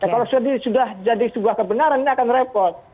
kalau sudah jadi sebuah kebenaran ini akan repot